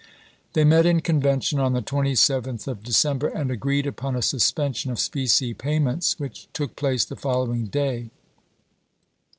They met in convention on the 27th of December and agi eed upon a suspension of specie payments, which took place the following day.